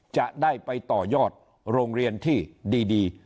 จะได้ไปต่อยอดโรงเรียนที่ดี